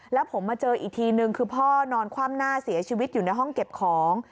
แล้วผมมาเจออีกทีนึงคือพ่อนอนคว่ำหน้าเสียชีวิตอยู่ในห้องเก็บของ